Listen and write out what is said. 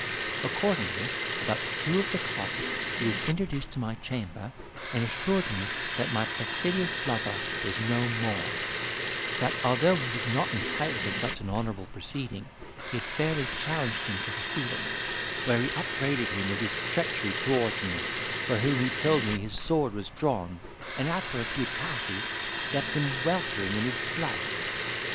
Accordingly, about two of the clock, he was introduced to my chamber, and assured me that my perfidious lover was no more: that although he was not entitled to such an honourable proceeding, he had fairly challenged him to the field, where he upbraided him with his treachery towards me, for whom, he told me, his sword was drawn, and after a few passes left him weltering in his blood.